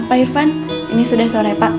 pak irfan ini sudah sore pak